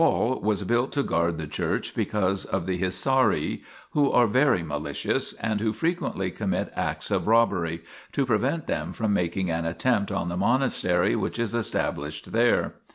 THE PILGRIMAGE OF ETHERIA 43 was built to guard the church because of the Hisauri, who are very malicious and who frequently commit acts of robbery, to prevent them from making an attempt on the monastery which is established there.